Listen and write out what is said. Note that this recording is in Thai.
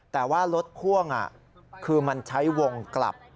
แต่ว่ารถพ่วงคือมันใช้วงกลับ